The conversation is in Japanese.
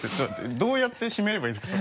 どうやって締めればいいんですか？